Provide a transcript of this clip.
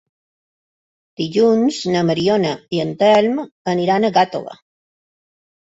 Dilluns na Mariona i en Telm aniran a Gàtova.